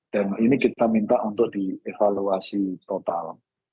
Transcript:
dan ini kita minta untuk dievaluasi total